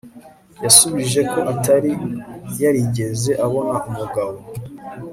yasubije ko atari yarigeze abona umugabo